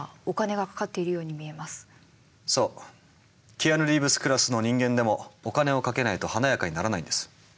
キアヌ・リーブスクラスの人間でもお金をかけないと華やかにならないんです。